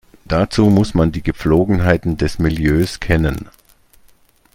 Dazu muss man die Gepflogenheiten des Milieus kennen.